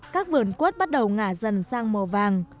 các vườn quất bắt đầu ngả dần sang màu vàng